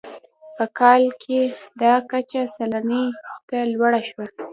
په کال کې دا کچه سلنې ته لوړه شوه.